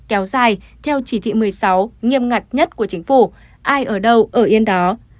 kéo dài theo chỉ thị một mươi sáu nghiêm ngặt nhất của chính phủ ai ở đâu ở yên đó